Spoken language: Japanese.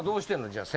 じゃあ。